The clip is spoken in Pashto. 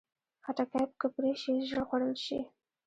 خټکی که پرې شي، ژر خوړل شي.